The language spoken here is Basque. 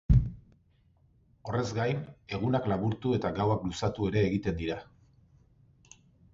Horrez gain, egunak laburtu eta gauak luzatu ere egiten dira.